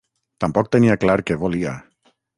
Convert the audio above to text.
Tampoc tenia clar què volia.